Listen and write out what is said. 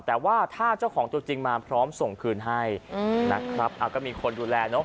แต่ว่าถ้าเจ้าของตัวจริงมาพร้อมส่งคืนให้นะครับก็มีคนดูแลเนอะ